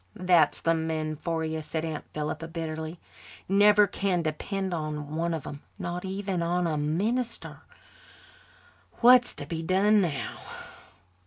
"That's the men for you," said Aunt Philippa bitterly. "Never can depend on one of them, not even on a minister. What's to be done now?"